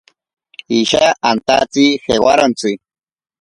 Isha antatsi jewarontsi.